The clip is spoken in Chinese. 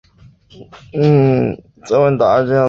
台湾小蝶兰为兰科小蝶兰属下的一个种。